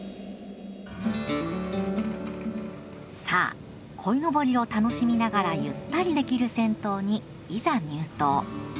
さあこいのぼりを楽しみながらゆったりできる銭湯にいざ入湯。